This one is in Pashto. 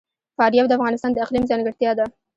فاریاب د افغانستان د اقلیم ځانګړتیا ده.